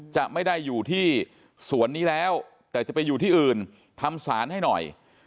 จะไม่ได้อยู่ที่สวนนี้แล้วแต่จะไปอยู่ที่อื่นทำศาลให้หน่อย